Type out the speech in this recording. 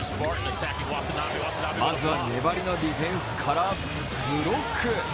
まずは粘りのディフェンスからブロック。